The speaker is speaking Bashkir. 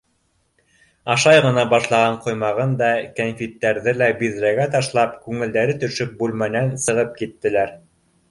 Ашай ғына башлаған ҡоймағын да, кәнфиттәрҙе лә биҙрәгә ташлап, күңелдәре төшөп, бүлмәнән сығып киттеләр.